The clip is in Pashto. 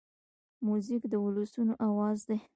موزیک د ولسونو آواز دی.